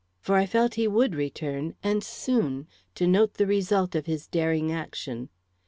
For I felt he would return, and soon, to note the result of his daring action.